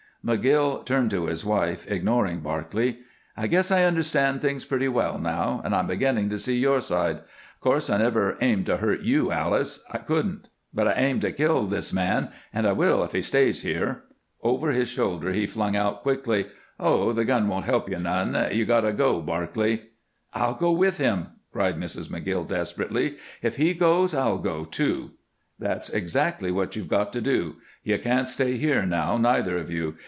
McGill turned to his wife, ignoring Barclay. "I guess I understand things pretty well now, and I'm beginning to see your side. Of course I never aimed to hurt you, Alice I couldn't; but I aimed to kill this man, and I will if he stays here." Over his shoulder he flung out, quickly: "Oh, the gun won't help you none. You've got to go, Barclay." "I'll go with him," cried Mrs. McGill, desperately. "If he goes, I'll go, too." "That's exactly what you've got to do. You can't stay here now, neither of you.